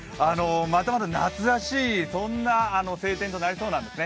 まだまだ夏らしい、そんな晴天になりそうなんです。